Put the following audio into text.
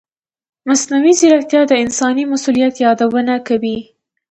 مصنوعي ځیرکتیا د انساني مسؤلیت یادونه کوي.